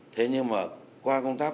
thế nhưng mà qua công tác